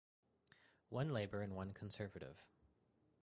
One Labour and one Conservative.